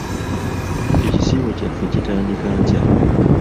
Ekisiibo kyaffe kitandika nkya.